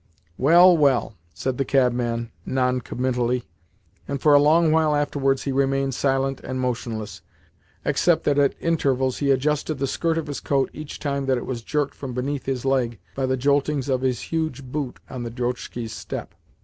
"Well, well!" said the cabman non committally, and for a long while afterwards he remained silent and motionless, except that at intervals he adjusted the skirt of his coat each time that it was jerked from beneath his leg by the joltings of his huge boot on the drozhki's step.